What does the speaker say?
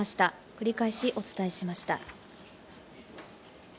繰り返しお伝えしました。